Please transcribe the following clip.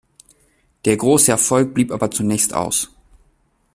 Der grosse Erfolg blieb aber zunächst aus.